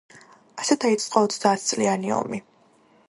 ასე დაიწყო ოცდაათწლიანი ომი.